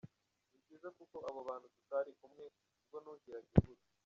Ni byiza kuko abo bantu tutari kumwe ubwo nuhiraga imbuto.